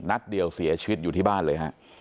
นัดเดียวเสียชีวิตอยู่ที่บ้านเลยฮะ